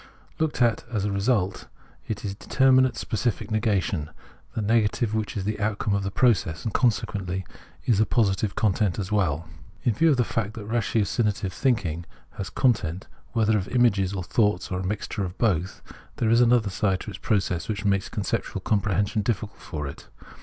Looked at as a result, it is determinate specific negation, the negative which is the outcome of this process, and consequently is a positive content as well. In view of the fact that ratiocinative thinking has a content, whether of images or thoughts or a mixture of both, there is another side to its process which makes conceptual comprehension difficult for it.